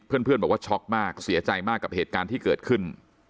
เพื่อนบอกว่าช็อกมากเสียใจมากกับเหตุการณ์ที่เกิดขึ้น